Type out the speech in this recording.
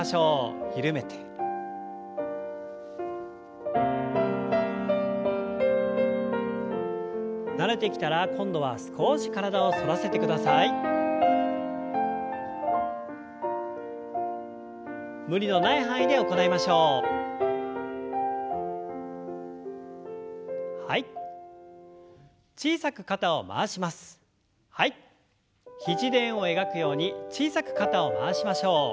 肘で円を描くように小さく肩を回しましょう。